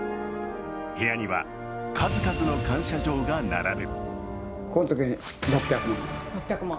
部屋には数々の感謝状が並ぶ。